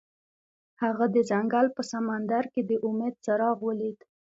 هغه د ځنګل په سمندر کې د امید څراغ ولید.